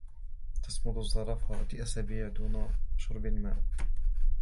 تصمد الزرافة لأسابيع دون شرب الماء